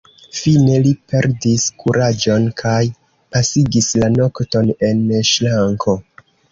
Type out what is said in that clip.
Fine li perdis kuraĝon kaj pasigis la nokton en ŝranko.